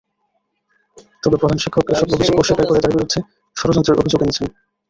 তবে প্রধান শিক্ষক এসব অভিযোগ অস্বীকার করে তাঁর বিরুদ্ধে ষড়যন্ত্রের অভিযোগ এনেছেন।